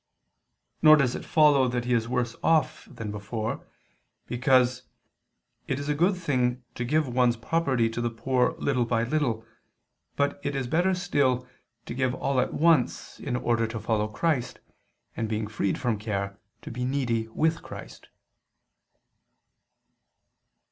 Nor does it follow that he is worse off than before, because, as stated in De Eccles. Dogm. lxxi, "it is a good thing to give one's property to the poor little by little, but it is better still to give all at once in order to follow Christ, and being freed from care, to be needy with Christ."